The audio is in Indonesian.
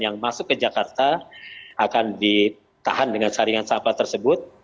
yang masuk ke jakarta akan ditahan dengan saringan sampah tersebut